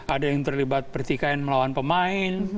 ada yang terlibat pertikaian melawan pemain